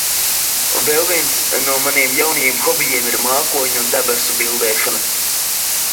Vēl viens no maniem jaunajiem hobijiem ir mākoņu un debesu bildēšana.